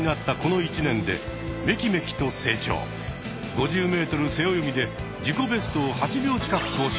５０ｍ背泳ぎで自己ベストを８秒近く更新。